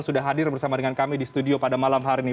sudah hadir bersama dengan kami di studio pada malam hari ini